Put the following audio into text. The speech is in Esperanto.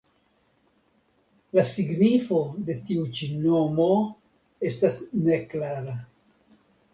La signifo de tiu ĉi nomo estas neklara.